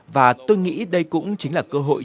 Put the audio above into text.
và tôi nghĩ đây cũng chính là cơ hội